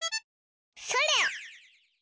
それ！